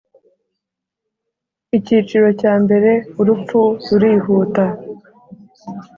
Icyiciro Cya Mbere Urupfu Rurihuta